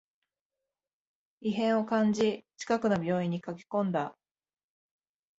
異変を感じ、近くの病院に駆けこんだ